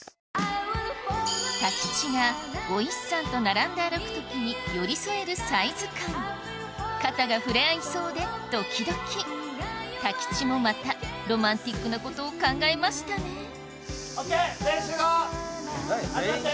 太吉がお石さんと並んで歩くときに寄り添えるサイズ感肩が触れ合いそうでドキドキ太吉もまたロマンティックなことを考えましたね集まって！